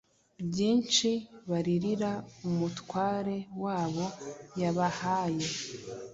Byinshi baririra umutware wabo yabahaye